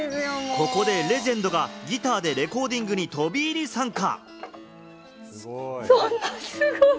ここでレジェンドがギターでレコーディングに飛び入り参加。